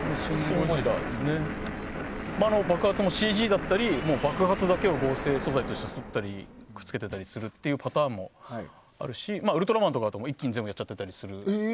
爆発もＣＧだったり爆発だけを合成素材として撮ったりくっつけてたりするパターンもあるし「ウルトラマン」とかだと一気に全部やっちゃったりも。